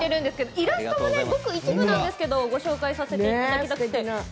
イラストもごく一部なんですがご紹介させていただきます。